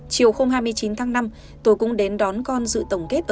chiều hôm hai mươi chín tháng năm tôi cũng đến đón con dự tổng kết